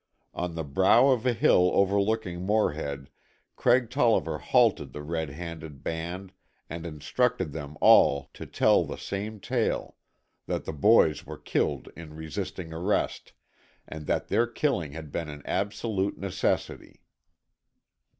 On the brow of a hill overlooking Morehead Craig Tolliver halted the red handed band and instructed them all to tell the same tale that the boys were killed in resisting arrest, and that their killing had been an absolute necessity.